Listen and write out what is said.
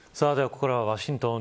ここからワシントン